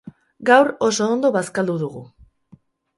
Gaur oso ondo bazkaldu dugu.